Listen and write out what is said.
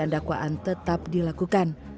pembacaan dakwaan tetap dilakukan